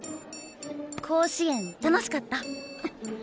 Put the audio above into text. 甲子園楽しかった？